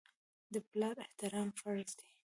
د پلار احترام فرض دی.